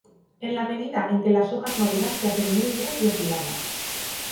En la medida en que las hojas maduran se hacen muy duras y afiladas.